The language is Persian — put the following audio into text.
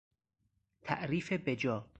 تعریف بجا